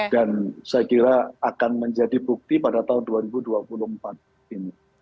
dan saya kira akan menjadi bukti pada tahun dua ribu dua puluh empat ini